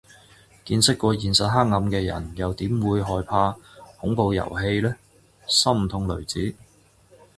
见识过现实黑暗的人，又怎么会怕恐怖游戏呢，心疼雷子